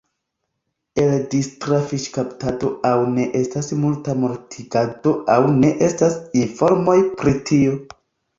El distra fiŝkaptado aŭ ne estas multa mortigado aŭ ne estas informoj pri tio.